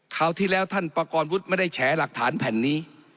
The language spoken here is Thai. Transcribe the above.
คราวที่แล้วท่านประกอบวุฒิไม่ได้แฉหลักฐานแผ่นนี้